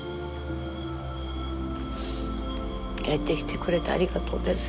帰ってきてくれてありがとうです。